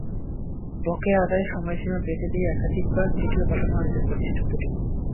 বকেয়া আদায়ে সময়সীমা বেঁধে দিয়ে একাধিকবার চিঠিও পাঠানো হয়েছে প্রতিষ্ঠান দুটিকে।